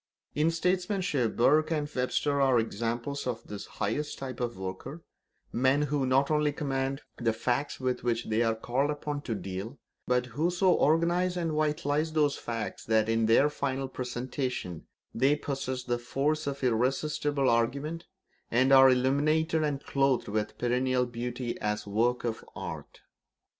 In statesmanship Burke and Webster are examples of this highest type of worker; men who not only command the facts with which they are called upon to deal, but who so organise and vitalise those facts that, in their final presentation, they possess the force of irresistible argument, and are illumined and clothed with perennial beauty as works of art.